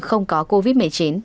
không có covid một mươi chín